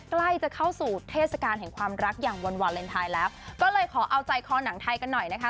ใกล้จะเข้าสู่เทศกาลแห่งความรักอย่างวันวาเลนไทยแล้วก็เลยขอเอาใจคอหนังไทยกันหน่อยนะคะ